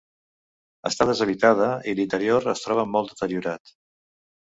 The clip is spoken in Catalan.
Està deshabitada i l'interior es troba molt deteriorat.